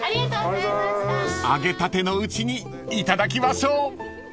［揚げたてのうちにいただきましょう］